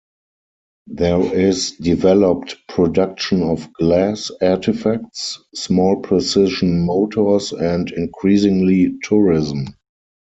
There is developed production of glass artifacts, small precision motors and, increasingly, tourism.